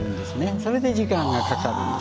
それで時間がかかるんです。